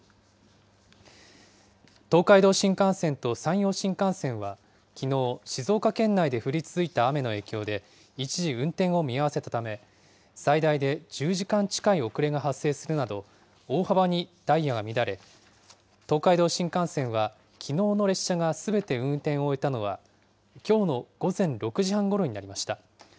東海道新幹線と山陽新幹線はきのう、静岡県内で降り続いた雨の影響で、一時運転を見合わせたため、最大で１０時間近い遅れが発生するなど、大幅にダイヤが乱れ、東海道新幹線は、きのうの列車がすべて運転を終えたのは、きょうの午前６時半ごろになりました。